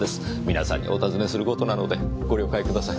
皆さんにお尋ねする事なのでご了解ください。